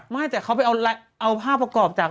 ไม่แต่เขาไปเอาภาพประกอบจาก